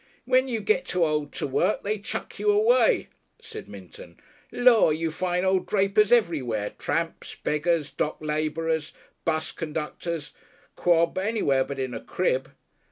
"When you get too old to work they chuck you away," said Minton. "Lor! you find old drapers everywhere tramps, beggars, dock labourers, 'bus conductors Quod. Anywhere but in a crib."